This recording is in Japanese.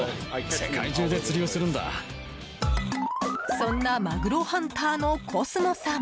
そんなマグロハンターのコスモさん。